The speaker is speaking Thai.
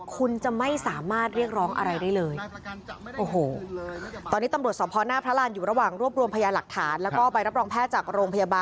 คุณจะไม่สามารถเรียกร้องอะไรได้เลย